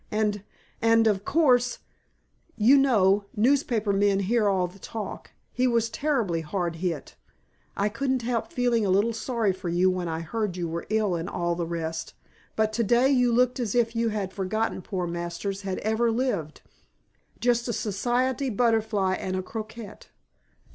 And and of course, you know, newspaper men hear all the talk he was terribly hard hit. I couldn't help feeling a little sorry for you when I heard you were ill and all the rest; but today you looked as if you had forgotten poor Masters had ever lived just a Society butterfly and a coquette."